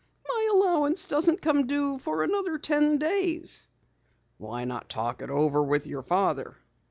"My allowance doesn't come due for another ten days." "Why not talk it over with your father?"